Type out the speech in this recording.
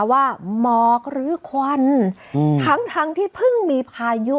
ว่าหมอกหรือควันทั้งที่เพิ่งมีพายุ